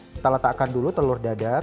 kita letakkan dulu telur dadar